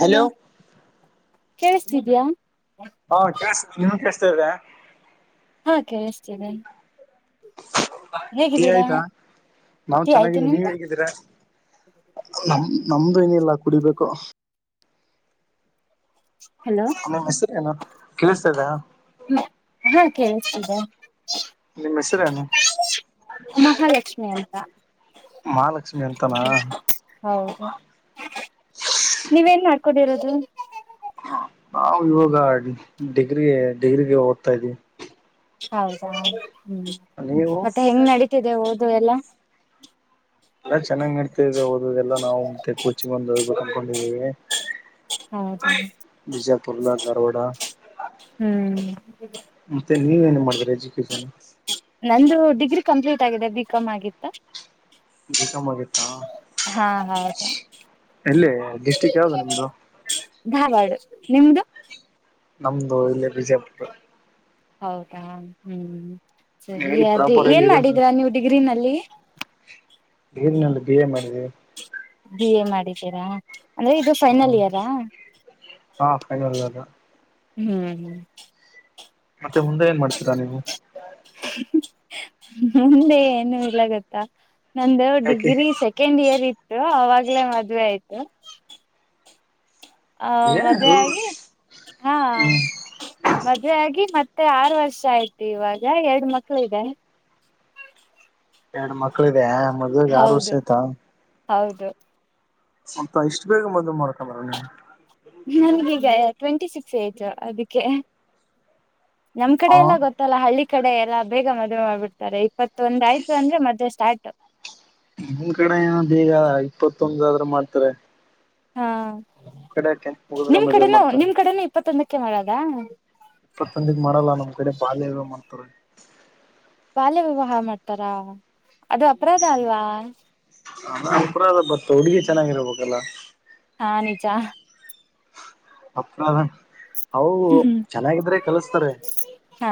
Hello ಕೇಳಿಸ್ತಿದ್ಯಾ ಹ ನಿ [inaudible] ಹಾ ಕೇಳಿಸತೇನೆ ಆಯ್ತಾ ನಾ್ ಟೀ ಆಯ್ತು ಚೆನ್ನಾಗಿದ್ದೀ ನೀವ್ ನಿಮ್ದು ಹೇಗಿದ್ದೀರ ನಮ್ದು ಏನಿಲ್ಲ ಕುಡಿಬೇಕು ಹಲೋ ಅ ಹೆಸರಿನಾ ಕೇಳಿಸ್ತದಾ ಕೇಳಳ್ತಗ ಹೆಸರೇನು ಮಹಾಲಕ್ಷ ಅಂತ ಮಹಾಲಕ್ಷ್ಮಿ ಅಂತನಾ ಹೌದು ನೀವೇನ್ ಮಾಡ್ ಕುಡಿರೋದು ನಾವು ಇವಾಗ ಡಿಗ್ರಿಗೆ ಡಿಗ್ರಿಗೆ ಓದ್ತಾ ಇದ್ದ್ವಿ ಹೌದಾ ಹ್ಮ ನೀವು ಮತ್ತೆ ಹೆಂಗ್ ನಡೀತಿದೆ ಓದು ಅದು ಎಲ್ಲ ಎಲ್ಲ ಚೆನ್ನಾಗ್ ನಡ್ತಾದೆ ಓದದೆಲ್ಲ ನಾವು ಮತ್ತೆ ಕೂಚಿ ಬಂದ ಕನ್ಕೊಂಡಿದ್ದೇವಿ ಹೌದಾ ಬಿಜಾಪುರ್ಲ್ಲ ನಾರವಾಡ ಹ್ಮ್ ಮತ್ತೆ ನೀವೇಏನ್ ಮಾಡಿದ್ರೆ ಅಜ್ಜಿ ಷ [inaudible] ನಂದು ಡಿಗ್ರಿ ಕಂಪ್ಲೀಟ್ ಆಗಿದೆ ಬಿಕಾಮ್ ಆಗಿತ್ತ. ಕಮಗತ್ತಾ ಹಾ ಹೌದು ಎಲ್ಲಿ ಸ್ಟಿಕ್ ಯಾವ್ದ ನಿಮ್ದು. ಧಾರವಾಡ ನಿಮ್ದು [unintelligible] ನಮ್ದು ಇಲ್ಲಿ ವಿಜಯಪುರ. ಹೌದಾ ಹ್ಮ [inaudible] ಸರಿ ಎಲ್ಲಿ ಅದೇ ಪ್ರಾಪರ್ ಎಲ್ಲಿ ಏನ್ ಇರೋದು ಮಾಡಿದ್ರ ನೀವು್ ಡಿಗ್ರಿನಲ್ಲಿ. [unintelligible] ಬಿ ಎ ಮಾಡಿದವಿ. ಎನ್ ಮಾಡಿದ್ದೀರಾ. ಅಂದ್ರೆ ಇದು ಫೈನಲ್ ಇಯರಾ. ಹಾ ಫೈನಲ್ ಇಯರ್ ಹ್ಮ್ ಹ್ಮ್. ಮತ್ತೆ ಮುಂದೆ ಏನ್ ಮಾಡ್ತೀರಾ ನೀವು. ಮುಂದೆ ಏನು ಇಲ್ಲ ಗೊತ್ತಾ. ನಂದು ಯಾಕೆ ಡಿಗ್ರಿ ಸೆಕೆಂಡ್ ಇಯರ್ ಇತ್ತು ಅವಾಗ. ಈಗ ಮದುವೆ ಆಯ್ತು. ಅ ಏನದು ಮದುವೆಯಾಗಿ ಅ ಹ್ಮ್ ಮದುವೆಯಾಗಿ ಮತ್ತ ಮತ್ತೆ ಆರು ವರ್ಷ ಆಯ್ತಿು ಇವಾಗ ಎರಡ್ ಮಕ್ಳ ಇದೆ. ಎರಡು ಮಕ್ಳು ಇದೆ. ಮದುವೆ ಆಗಿ ಆರು ವರ್ಷ ಹೌದು ಆಯ್ತಾ. ಹೌದು. ಮತ್ತ ಇಷ್ಟು ಬೇಗ ಬಂದು ಮಾಡ್ಕಬರ ನೀವು. ನನ್ಗೀಗ ಟ್ವೆಂಟಿ ಸಿಕ್ಸ್ ಏಜು ಅದಕ್ಕೆ. ನಮ್ ಕಡೆ ಹಾ ಎಲ್ಲ ಗೊತ್ತಲ್ಲ ಹಳ್ಳಿ ಕಡೆ ಎಲ್ಲಾ ಬೇಗ ಮದುವೆ ಮಾಡ್ಬಿಡ್ತಾರೆ ಇಪ್ಪತ್ತು ಒಂದ ಆಯಿತು ಅಂದ್ರೆ ಮದ್ವೆ ಸ್ಟಾರ್ಟ್. ನಿಮ ಕಡೆ ಏನ್ದ ಈಗ ಇಪ್ಪತ್ತು. ತೊಂಬಾದ್ರ ಮಾಡ್ತಾರೆ. ಹಾ ನಿಮ್ ಕಡೆ ಟೆಂತ್ ಮುಗಿದ್ರೆ ನಿಮ್ಮ ಮದ್ವೆ ಕಡೆನೂ ಮಾಡ್ತಾರೆ ನಿಮ್ಮ ಕಡೆನು ಇಪ್ಪತೋಂದಕ ಕೆ ಮಾಡೋದಾ ಇಪ್ಪತೊಂದಿಗ್ ಮಾಡಲ್ಲ ನಮ್ ಕಡೆ ಬಾಲ್ಯವ ವಿವಾಹ ಮಾಡ್ತಾರೆ. ಬಾಲ್ಯ ವಿವಾಹ ಮಾಡ್ತಾರಾ. ಅದು ಅಪರಾಧ ಅಲ್ವಾ. ಅಪರಾಧ ಬಟ್ ಹುಡುಗಿ ಚೆನ್ನಾಗಿರ್ಬೇಕಲ್ಲ ಹಾ ನಿಜಾ [unintelligible] ಅವರು ಹ್ಮ್ ಚೆನ್ನಾಗಿದ್ರೆ ಕಲಸ್ತಾರೆ ಹಾ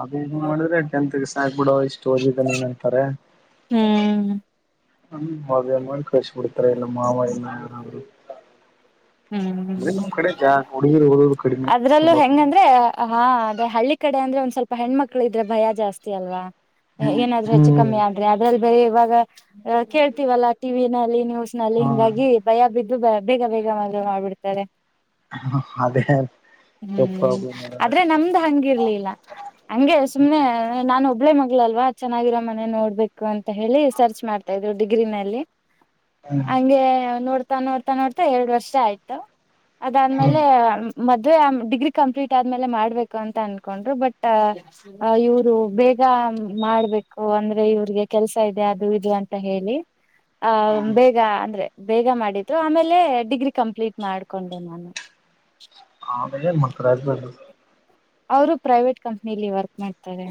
ಅದು ಇದು ಮಾಡಿದ್ರೆ ಟೆಂತ್ ಗೆ ಸಾಕಬಿಡವ ಇಷ್ಟು ಓದಿದ್ದ ನೀನ್ ಅಂತಾರೆ. ಹ್ಮ್ ಹ ಮದುವೆ ಮಾಡಿ ಕಳುಹಿಸಿ ಬಿಡ್ತಾರೆ ಇಲ್ಲ ಮಾವ ಇಲ್ಲ ಯಾರ ಅವರು. ಹ್ಮ್ ಅಂದ್ರೆ ನಮ್ ಕಡೆ ಜಾ ಹಡುಗಿರು ಹುಡುಗರು. ಅದ್ರಲ್ಲೂ ಹೆಂಗಂದ್ರೆ. ಹಾ ಅದೆ ಹಳ್ಳಿ ಕಡೆ ಅಂದ್ರೆ ಒಂದ್ ಸ್ವಲ್ಪ ಹೆಣ್ಮಕ್ಳ ಇದ್ರೆ ಭಯ ಜಾಸ್ತಿ ಅಲ್ವಾ. ಹ್ಮ್ ಏನಾದ್ರು ಹೆಚ್ಚು ಹ್ಮ್ ಕಮ್ಮಿ ಆದ್ರೆ ಅದ್ರಲ್ಲಿ ಬರೆ ಇವಾಗ ಕೇಳ್ತೀವಲ್ಲ ಟಿವಿನಲ್ಲಿ ನೀವು ಲ್ಲಿ ಹಾ ಹಿಂಗಾಗಿ ಭಯ ಬಿದ್ದು ಇದು ಬೇಗ ಬೇಗ ಮದ್ವೆ ಮಾಡ್ಬಿಡ್ತಾರೆ. ಹ ಹ ಹ್ಮ್ ಇರೋದು ಆದ್ರೆ ನಮ್ದ್ ಹಂಗಿರ್ಲಿಲ್ಲ ಹಂಗೆ ಸುಮ್ನೆ ನಾನು ಒಬ್ಬಳೇ ಮಗಳಲ್ವಾ ಚೆನ್ನಾಗಿರೋ ಮನೆ ನೋಡ್ಬೇಕು ಅಂತ ಹೇಳಿ ಸರ್ಚ್ ಮಾಡ್ತಾ ಇದ್ವಿ ಡಿಗ್ರಿನಲ್ಲಿ ಹ್ಮ್ ಹಗೆ ನೋಡ್ ನೋಡ್ತಾ ನೋಡ್ತಾ ಎರಡ್ ವರ್ಷ ಆಯ್ತು ಅದಾದ್ಮೇಲೆ ಹ್ಮ್ ಮದ್ವೆ ಡಿಗ್ರಿ ಕಂಪ್ಲೀಟ್ ಆದ್ಮೇಲೆ ಮಾಡ್ಬೇಕು ಅಂತ ಅನ್ಕೊಂಡ್ರು ಬಟ್ ಇವ್ರು ಬೇಗ ಮಾಡ್ಬೇಕು ಅಂದ್ರೆ ಇವ್ರಿಗೆ ಕೆಲ್ಸ ಇದೆ ಅದು ಇದು ಅಂತ ಹೇಳಿ ಆ ಬೇಗ ಅಂದ್ರೆ ಬೇಗ ಮಾಡಿದ್ದು ಆಮೇಲೆ ಡಿಗ್ರಿ ಕಂಪ್ಲೀಟ್ ಮಾಡ್ಕೊಂಡೆ ನಾನು [inaudible] ಹಾ ಏನ್ ಮಾಡ್ತಾರೆ ಹಸ್ಬೆಂಡ್ ಅವರು ಪ್ರೈವೇಟ್ ಕಂಪ್ನಿಲಿ ವರ್ಕ್ ಮಾಡ್ತಾರೆ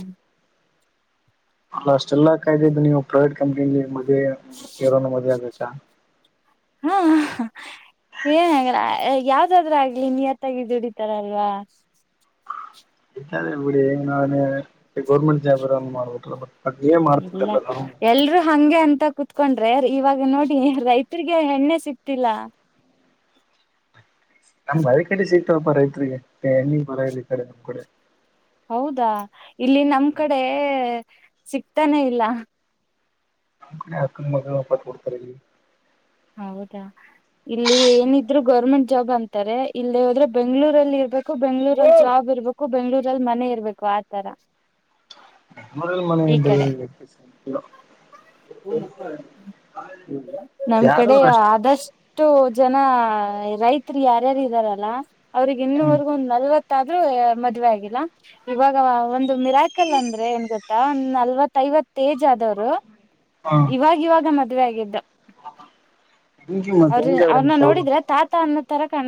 ಅಲ್ಲ ಅಷ್ಟೆಲ್ಲಾ ಕಾಯ್ದಿದ್ದು ನೀವು ಪ್ರೈವೇಟ್ ಕಂಪ್ನಿ ಕರಳ ಮದುವೆ ಹಾಗಬೇಕಾ [unintelligible] ಹಾ ಏನ್ರ ಯಾವ್ದಾದ್ರ ಆಗ್ಲಿ ನೀಯತ್ತಾಗಿ ದುಡಿತಾರಲ್ವಾ ಇದಾರೆ ಬಿಡಿ ನಾನು ಗೌರ್ಮೆಂಟ್ ಜಾಬ ಮಾಡ್ಬ ಇಲ್ಲ ಎಲ್ರುೂ ಹಂಗೆ ಅಂತ ಕುೂ ಕುತ್ಕೊಂಡ್ರೆ ಇವಾಗ ನೋಡಿ ರೈತರಿಗೆ ಹೆಣ್ಣೆ ಸಿಕ್ತಿಲ್ಲ ನಮ್ಮಂಬದ ಕಡಿಸಿ ಬರತ್ ರೈತರಿಗೆ ಹೆಣಿಗೆ ಬರ ಈ ಕಡೆ ನಮ್ಮ್ ಕಡೆ ಹೌದಾ ಇಲ್ಲಿ ನಮ್ ಕಡೆ ಸಿಕ್ತಾನೆ ಇಲ್ಲ ನಮ್ ಕಡೆ ಅಕ್ಕನ ಮಕ್ಕಳು ಬಂಬಿಡ್ತಾರೆ ಇಲ್ಲಿ ಹೌದಾ ಇಲ್ಲಿ ಏನಿದ್ರು ಗೌರ್ಮೆಂಟ್ ಜಾಬ್ ಅಂತಾರೆ ಇಲ್ಲಿ ಹೋದ್ರೆ ಬೆಂಗ್ಳೂರಲ್ಲಿ ಇರ್ಬೇಕು ಬೆಂಗ್ಳೂರಲ್ಲಿ ಜಾಬ್ ಇರ್ಬೇಕು ಬೆಂಗ್ಳೂರಲ್ಲಿ ಮನೆ ಇರ್ಬೇಕು ಆತರ ಮೊದಲು ಮನೆ ಈ ಕಡೆ ಅಡೆಯ ಅಷ್ಟೇ ಆದಷ್ಟು ರೈತ್ರಿ ಯಾರ್ಯಾರು ಇದ್ದಾರಲ್ಲ ಅವ್ರಿಗೆ ಹ್ಮ್ ಇನ್ನವರೆಗ ಒಂದಂದು ನಲ್ವತ್ತು ಆದ್ರೂ ಮದುವೆ ಆಗಿಲ್ಲ ಇವಾಗ ಮಿರಾಕಲ್ ಅಂದ್ರೆ ಏನ್ ಗೊತ್ತಾ ನಲ್ವತ್ತ ಐವತ್ತ ಏಜ್ ಆದದ ಹಾ ಇವಾಗ ಇವಾಗ ಮತ್ತೆ ಮದ್ ಆಗಿದ್ದ [inaudible] ಹಿಂಗೆ ಮತ್ತೆ ಅವ್ರ ಅವ್ರನ್ನ ನೋಡಿದ್ರ ತಾತ ಅನ್ನ ತರ ಕಾಣ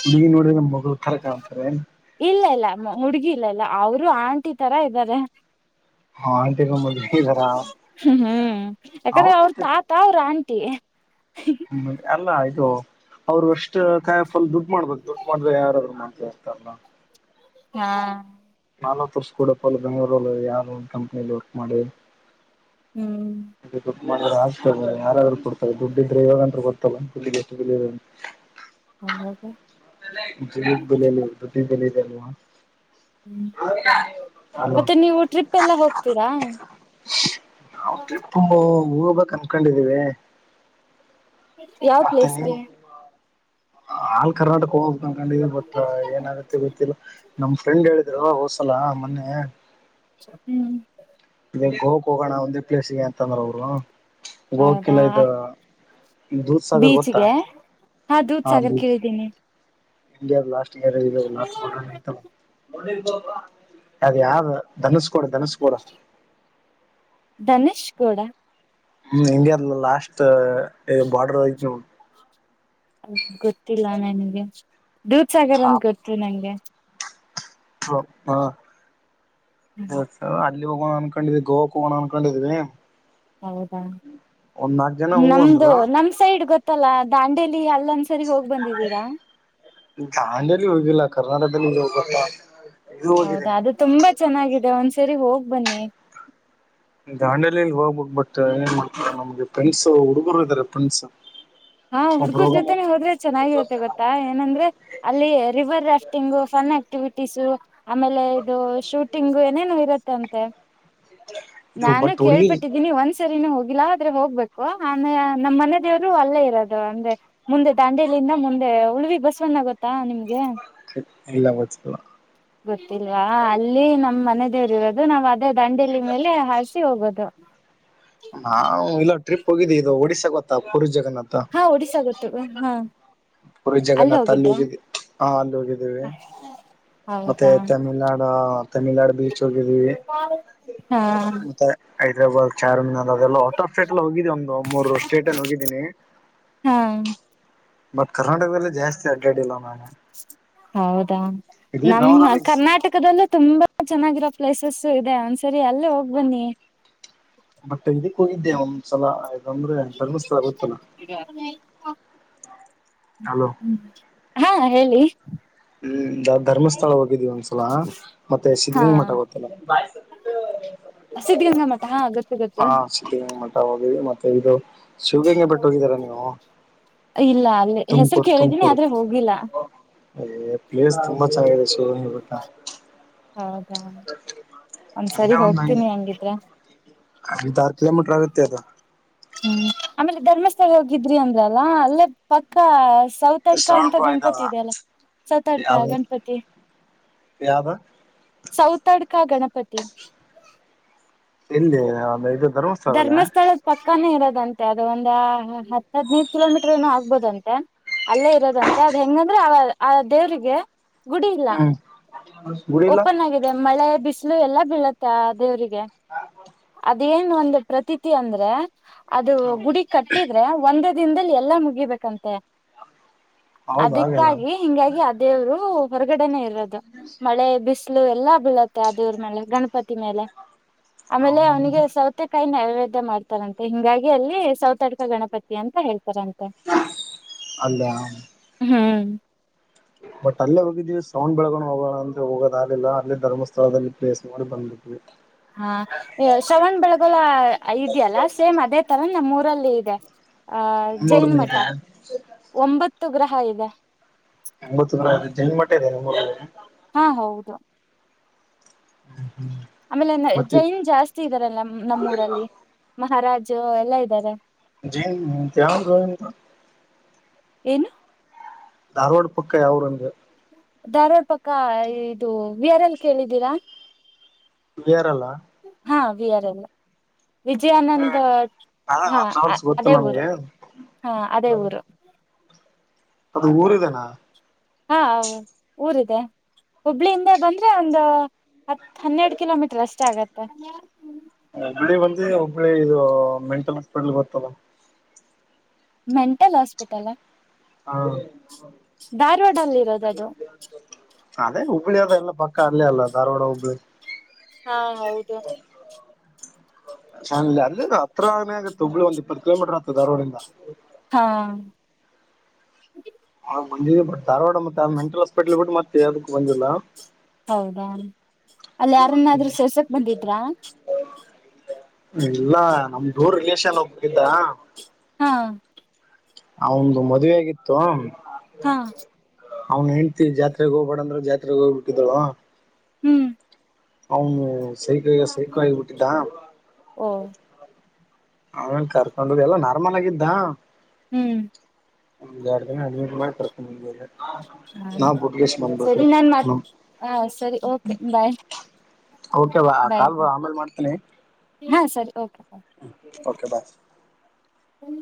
ಹಡುಗ ನೋಡ್ರ ನಮ್ಮ ಮ [unintelligible] ಇಲ್ಲ ಇಲ್ಲ ಹುಡ್ಗಿ ಇಲ್ಲ ಇಲ್ಲ ಅವರು ಆಂಟಿ ತರ ಇದ್ದಾರೆ ಹ ಆಂಟಿಗಳ ಮದ್ವೆ ಇದಾರ ಹ್ಮ ಹ್ಮ ಯಾಕಂದ್ರೆ ಅವ್ರ ತಾತ ಅವ್ರ ಆಂಟಿ ಟಿ ಹ್ಮ ಎಲ್ಲ ಆಯ್ತು ಅವರು ಅಷ್ಟೇ ಷ್ಟ ಫಲ್ ದುಡ್ಡು ಮಾಡ್ಬೇಕು ದುಡ್ಡು ಮಾಡ್ರೆ ಯಾರಾದರು ಮಾಡ್ತಾರೆ [inaudible] ಹಾ ನಾ ತೋರ್ಸ್ಕೊಡಪ್ಪ ಅ ಬೆಂಗ್ಗಳೂರಲ್ಲಿ ಯಾರು ಒ ಕಂಪನಿಯಲ್ಲಿ ವರ್ಕ್ ಮಾಡಿ ಹ್ಮ ಆಗ್ತ ಯಾರಾದ್ರೂ ಕೊಡ್ತಾರೆ ದುಡ್ಡಿದ್ರೆ ಯವಾಗಂದ ಗೊತ್ತಲ್ಲ ದುಡ್ ಹೌದು ಜೀವಕ ಬೆಲೆ ಇಲ್ಲ ದುಡ್ಡಿಗೆ ಲ್ಲ [inaudible] ಹ್ಮ್ ಮತ್ತೆ ನೀವು ಟ್ರಿಪ್ ಎಲ್ಲ ಹೋಗ್ತೀರಾ ತಬ ಕನ್ಕೊಂಡಿದೀವಿ ಯಾವ ಪ್ಲೇಸ್ಗೆ ಆಲ್ ಕರ್ನಾಟಕ ನ ಕಂಡಿದ ಗೊಟ್ಟ ಏನಾಗುತ್ತೆ ಗೊತ್ತಿಲ್ಲ ನಮ್ ಫ್ರೆಂಡ್ ಹೇಳ ಇೋ ಹೋಸಲಾ ಮೊನ್ನೆ ಹ್ಮ ಗೋವಾಕ ಹೋಗೋಣ ಒಂದೇ ಪ್ಲೇಸ್ ಗೆ ಅಂತಂದ್ರ ಅವರು ಹೌದಾ ದೂದ್ ಸಾಗರ್ ಗೊತ್ತಾ ಬೀಚ್ಗೆ ಹಾ ದೂದ್ ಸಾಗರ್ ಕೇಳಿದ್ದೀನಿ ಇ ಲಾಸ್ಟ [unintelligible] ಅದ ಯಾವ್ದ ಧನುಸ್ ಧನಸ್ ಕಡ ಧನುಷ್ ಕೂಡ ಹ್ಮ ಹೆಂಗಗೆರ್ಲ ಲಾಸ್ಟ ಬಾರ್ಡರ್ ಆಐ ಅ ಗೊತ್ತಿಲ್ಲ ನನ್ಗೆ ದೂದ ಸಾಗರ್ ಅಂದ ಗೊತ್ತವಿ ನಂಗೆ ಹ ಹಾ ದೂಸ ಅಲ್ಲಿ ಹೋಗೋಣ ಅನ್ಕೊಂಡಿದವಿ ಗೋ ಕ ಹೋಗೋಣ ಅನ್ಕೊಂಡಿದ್ವಿ ಹೌದಾ ಒಂದ್ ನಾಕ್ ಜನ ಹೂ ನಮ್ದು ಅಂದ್ರು ನಮ್ ಸೈಡ್ ಗೊತ್ತಲ್ಲ ದಾಂಡೇಲಿ ಅಲ್ಲೊಂದ್ಸರಿ ಹೋಗ್ ಬಂದಿದ್ದೀರಾ ದಾಂಡೇಲಿ ಹೋಗಿಲ್ಲ ಕರ್ನಾಟಕ ಧ [unintelligible] ಹೌದಾ ಅದು ತುಂಬಾ ಚೆನ್ನಾಗಿದೆ ಒಂದ್ಸರಿ ಹೋಗ್ ಬನ್ನಿ ಗಾಂಡಲಿಲ್ಲಿ ಹೋಗ್ಬುಕ್ ಬಟ್ಟು ೆ ಪೈಸ [unintelligible] ಉರುಮಾಗದಾರೆಪ್ಪಸ [unintelligible] ಹಾ ಹುಡ್ಗೂರ್ ಜೊತೆನೆೇ ಹೋದ್ರೆ ಚೆನ್ನಾಗಿರತ್ತೆ ಗೊಾ ಏನಂದ್ರೆ ಅಲ್ಲಿ ರಿವರ್ ರಾಫ್ಟಿಂಗ್ ಫನ್ ಆಕ್ಟಿವಿಟಿ ಿಸು ಆಮೇಲೆ ಇದು ಶೂಟಿಂಗ್ ಏನೇನು ಇರುತ್ತೆ ಅಂತ ತ್ತ ಇದು ನಾನು ಬಟ್ ಹುಡುಗಿ ಕೇಳ್ಪಟ್ಟಿದ್ದೀನಿ ಒಂದ್ಸರಿನ ಹೋಗಿ ಲ್ಲ ಆದ್ರೆ ಹೋಗ್ಬೇಕು ಆ ನಮ್ಮ್ ಮನೆ ದೇವ್ರು ಅಲ್ಲೇ ಇ ಅದು ಅಂದ್ರೆ ಮುಂದೆ ದಾಂಡಿಯಲಿಂದ ಮುಂದೆ ಉಳಿವಿ ಬಸ್ವನ್ನ ಗೊತ್ತಾ ನಿಮ್ಗೆ ಎಲ್ಲ ಬಕ ಗೊತ್ತಿಲ್ವಾ ಅಲ್ಲಿ ನಮ್ಮ್ ಮನೆ ೇ ಇರೋದು ನಾವ್ ಅದೇ ದಂಡೇಲಿ ಮೇಲೆ ಹಸಿ ಹೋಗೋದು ನಾ ಇಲ್ಲ ಟ್ರಿಪ್ ಹೋಗಿದ್ದೀ ಇದು ಒಡಿಸಶಾ ಗೊತ್ತಾ ಪೂರ್ಜ ಹಾ ಒಡಿಸ್ಾ ಗೊತ್ತು ಹಾ ಪುರಿ ಅಲ್ಲೇ ಜಗನ್ನಾಥ್ ಅಲ್ಲಿ ಹೋಗಿದ್ರಾ ಹೋಗಿದ್ದೀ ಹಾ ಅಲ್ಲಿ ಹೋಗಿದ್ದೀವಿ ಮತ್ತೆ ಹೌದಾ ತಮಿಳ್ನಾಡು ಹ ತಮಿಳ್ನಾಡು ಬೀಚ್ ಹೋಗಿದ್ದವಿ ಹಾ ಮತ್ತೆ ಹೈದರಾಬಾದ್ ಚಾರ್ನ್ನ ಅದೆಲ್ಲಟ್ ಆಫ್ ಸ್ಟೇಟ್ ಎಲ್ಲ ಹೋಗಿದ್ದಿ ಒಂದು ಮೂರು ಸ್ಟೇಟ್ಲ್ಲಿ ಹೋಗಿದ್ದೀನಿ ಹಾ ಬಟ್ ಕರ್ನಾಟಕದಲ್ಲ ಜಾಸ್ತಿ ಆಗ್ ಹೌದಾ ಇದೇ ನಮ್ಮ ಬೆಂಗಳೂರಲ್ಲಿ ಕರ್ನಾಟಕದಲ್ಲೂ ತುಂಬಾ ಚೆನ್ನಾಗಿರೋ ಪ್ಲೇಸಸ್ ಇದೆ ಒಂದ್ಸರಿ ಅಲ್ಲೇ ಹೋಗ್ ಬನ್ನಿ ಬಟ್ ಇದಕ್ಕೂ ಇದ್ದೆ ಒಂದ್ಸಲ ರ್ರ ಧರ್ಮಸ್ಥಳ ಗತ್ತನ ಹ್ಮ್ ಹಾ ಹೇಳಿ ಹ್ಮ್ ದ ಧರ್ಮಸ್ಥಳ ಹೋಗಿದ್ವಿ ಒಂದ್ಸಲ ಮತ್ತೆ ಹಾ ಸಿದಗಂಗ ಮಠ ಗೊತ್ತಿಲ್ಲ ಹ ಸಿದ್ಧಗಂಗಾ ಮಠ ಹಾ ಗತ್ತು ಗತ್ತು ಈದು ಶಿವಗ ಹಂಗೆ ಬಿಟ್ಟ ಹೋಗಿದ್ದೀರಾ ನೀವು ಇಲ್ಲ ಅಲ್ಲಿ ಹೆಸರು ತುಮಕೂರು ಕೇಳಿದೀನಿ ತುಮಕೂರು ಆದ್ರೆ ಹೋಗಿಲ್ಲ ಸ ಹವತ್ತಾ ಹೌದಾ ಒಂದ್ಸರಿ ಹೋಗ್ತೀನಿ ಹಂಗಿದ್ರ ಇಂತ ಆರು ಕಿಲೋಮೀಟರ್ ಆಗುತ್ತೆ ಅದು ಹ್ಮ್ ಆಮೇಲೆ ಧರ್ಮಸ್ಥಳ ಹೋಗಿದ್ರಿ ಅಂದ್ರಲ್ಲಾ ಅಲ್ಲೇ ಪಕ್ಕಾ ಸೌತಡ್ಕ ಅಂತ ಶ್ರಾವಣ್ ಬಾಯ್ ಇದಾವ ಗಣಪತಿ ಇದೆ ಅಲ್ಲ ಸೌತಡ್ಕ ಯಾವ್ದ ಗಣಪತಿ ಯಾವ್ದ ಸೌತಡ್ಕ ಗಣ ಪಟ್ಟ ಇಲ್ಲಿ ಆ್ರೆ ಇ ಧರ್ಮಸ್ಥಳದ ಪಕ್ಕಾನೇ ಇರದು ದಂತೆ ಅದು ಒಂದ ಹತ್ ಹದ್ನೈದು ಕಿಲೋಮೀಟರ್ ಏನ ಆಗ್ಬೋದಂತೆ ಅಲ್ಲೇ ಇರೋದಂತೆ ಅದ ಹೆಂಗಂದ್ರೆ ಆ ದೇವ್ರಿಗೆ ಗುಡಿ ಇಲ್ಲ ಗುಡಿಲ್ಲ ಓಪನ್ ಆಗಿದೆ ಮಳೆ ಬಿಸಿ ಎಲ್ಲ ಬೀಳತ್ತ ದೇವ್ರಿಗೆ ಅದೇ ಇ ಒಂದು ಪ್ರತೀತಿ ಅಂದ್ರೆ ಅದು ಗುಡಿ ಕಟ್ಟಿದ್ರೆ ಒಂದೇ ದಿನದಲ್ಲಿ ಎಲ್ಲಾ ಮುಗ ಹಗಿಬೇಕಂತೆ ಹೌದ ಹಾಗೇನ ಅದಕ್ಕಾಗಿ ಹಿಂಗಾಗಿ ಅ ದೇವರು ಹೊರಗಡೆನೆೇ ಇಲ್ಲ ದು ಮಳೆ ಬ್ ಲು ಎಲ್ಲಾ ಬೀಳತ್ತೆ ಆ ದೇವ್ರ ಮೇಲೆ ಗಣಪತಿ ಮೇಲೆ ಆಮೇಲೆ ಅವನಿಗೆ ಸೌತ್ ನೈವೇದ್ಯ ಮಾಡ್ತಾರಂತೆ ಹಿಂಗಾಗಿ ಅಲ್ಲಿ ಸೌತಾಕ ಗಣಪತಿ ಅಂತ ಹೇಳ್ತಾರೆ ಪರಂತ ಅಲ್ಲ ಹ್ಮ್ ಬಟ್ ಅಲ್ಲೇ ಹೋಗಿದ್ದೀ ಸೌಂಡ್ ಬೆಳಗೊಂಡ್ ಹೋಗೋಣ ಅಂದ್ರೆ ಹೋಗೋದ ಆಗಲಿಲ್ಲ ಅಲ್ಲೇ ಧರ್ಮಸ್ಥಳದಲ್ಲಿ ಪ್ಲೇಸ್ ಮಾಡಿ ಬಂದು ಹಾ ಶ್ರವಣ್ ಬೆಳಗಳ ಐ್ಯಲ್ಲಾ ಸೇಮ್ ಅದೇ ತರ ನಮ್ಮ ರಲ್ಲಿ ಇದೆ ಆ ಜೈನ್ ನಿಮ್ಮೂರ್ನ ಮಠ ಇದೆ ಒಂಬತ್ತು ಗ್ರಹ ಹೌದಾ ಒಂಬತ್ತುರ ಜನಮಟ್ಟ ಇದೆ ಹಾ ಹೌದು ಹ್ಮ್ ಆಮೇಲೆ ಜೈನ್ ಜಾಸ್ತಿ ಇದಾರಲ್ಲ ನಮ್ಮೂಊರಲ್ಲಿ ಮಹರಾಜು ಎಲ್ಲಾ ಇದ್ದಾರೆ ಜೈನ ಯಾವ್ದು [unintelligible] ಏನು ಧಾರವಾಡ ಪಕ್ಕ ಯಾವೂರು ಅಂದ ಧಾರವಾಡ್ ಪಕ್ಕ ಇದು ವಿಯರ್ ಎಲ್ ಕೇಳಿದ್ದೀರಾ ವಿ ಆರ್ ಎಲ್ ಆ ಹಾ ವಿ ಆರ್ ಎಲ್ ವಿಜಯಾನಂದ್ ಅದ ಹಾ ಟ್ರಾವೆಲ್ಸ್ ಗೊತ್ತು ಅದೇ ಊರು ನಮ್ಗೆ ಹಾ ಅದೇ ಊರು ಅದು ಊರ ಇದನಾ ಹಾ ಹ ಊರಿದೆ ಹುಬ್ಳ ಹಿಂದೆ ಬಂದ್ರೆ ಒಂದು ಹತ್ ಹನ್ನೆರಡು ಕಿಲೋಮೀಟರ್ ಅಷ್ಟೇ ಆಗೆ [unintelligible] ಒಬ್ಬಳಿ ಬಂದ ಒಬ್ಬಳಿ ಇದು ಮೆಂಟಲ್ ಹಸ್ಪಿಟಲ್ ಬರ್ತ್ತಲ್ಲ ಮೆಂಟಲ್ ಹಾಸ್ಪಿಟಲ್ ಹೌ ಧಾರವಾಡ ಅಲ್ಲಿ ಇರೋದ ಅದು ಅದೇ ಹುಬ್ಬಳಿ ಅದ ಎಲ್ಲ ಪಕ್ಕ ಅಲ್ಲಿ ಅಲ್ಲ ಧಾರವಾಡ ಹುಬ್ಳಿ ಹಾ ಹೌದು ಚನ್ನ ಅಲ್ಲಿ ಹತ್ರಾನೇ ಆಗತ್ತೆ ತಳು ಒಂದ್ ಇಪ್ಪತ್ತು ಕಿಲೋಮೀಟರ್ ಆಗ್ತದೆ ಧವಾಡಿಂದ ಹಾ ಂದಟ್ ಧಾರವಾಡ ಮತ್ತೆ ಮೆಂಟ್ರಲ್ ಹಸ್ಪಿಟ್ಲ್ ಬಿಟ್ಟ ಮತ್ತೆಾವದಕ್ಕ ಬಂದಿಲ್ಲ ಹೌದಾ ಅಲ್ಲಿ ಯಾರನಾದ್ರೂ ಸರ್ಸಕ್ ಬಂದಿದ್ರಾ ಇಲ್ಲಾ ನಮ್ದ ೂರ ರಿಲಷನ್ ಒಬ್ರು ತಿಂದಾ ಹಾ ಆ ಒಂದು ಮದುವೆ ಆಗಿತ್ತು ಹಾ ಅವ್ನ್ ಹೆತಿ ಜಾತ್ರೆಗ್ ಹೋಗ್ೇಡ ಅಂದ್ರ ಜಾತ್ರೆಗೆ ಹೋಗ್ಬಿಟ್ಟಿದಳ ಹ್ಮ್ ಅವೌನು ಸೈಕಾಯಗ ಸೈಕಾಯ ಬಿಟ್ಟಿದ್ದಾ ಓ ಆಮೇಲೆ ಕರ್ಕೊಂಡುದು ಎಲ್ಲ ನಾರ್ಮಲ್ ಆಗಿದ್ದ ಹ್ಮ್ ಯ ಅಐನೂರು ಮಾಡ [unintelligible] ಹ [unintelligible] ಹಾ ಸರಿ ನಾನ್ ಮತ್ ಹ ಸರಿ ಓಕೆ ಬಾಯ್ ಓಕೆವಾಾ ಬಾಯ್ ಕಾಲ್ ಬ ಬಾಯ್ ಆಮೇಲ್ ಮಾಡ್ತೇನಿ ಹಾ ಸರಿ ಓಕೆ ಹ ಓಕೆ ಬಾಯ್ ಬಾಯ್